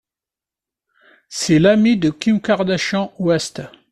C'est l'ami de Kim Kardashian West.